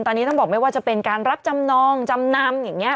ตอนนี้ต้องบอกไม่ว่าจะเป็นการรับจำนองจำนำอย่างนี้